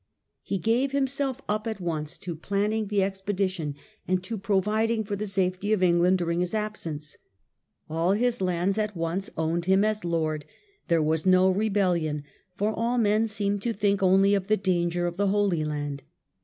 He gave himself up at once to planning the expedition, and to providing for the safety of England during his absence. All his lands at once owned him as lord; tiiere was no rebellion, for all men seemed to think only of the danger of the Holy Land.